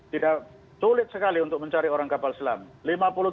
tidak sulit sekali untuk mencari orang kapal selam